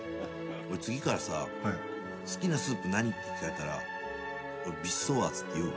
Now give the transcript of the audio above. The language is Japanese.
俺次からさ「好きなスープ何？」って聞かれたらビシソワーズって言うわ。